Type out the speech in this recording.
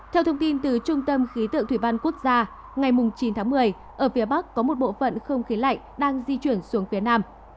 theo thông tin từ trung tâm khí tượng thủy văn quốc gia ngày chín tháng một mươi ở phía bắc có một bộ phận không khí lạnh đang di chuyển xuống phía nam